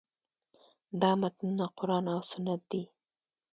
دا متنونه قران او سنت دي.